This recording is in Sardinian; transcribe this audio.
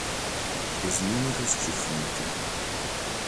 Sos nùmeros bi sunt.